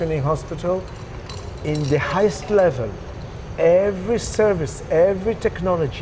di tahap tertinggi setiap perkhidmatan setiap teknologi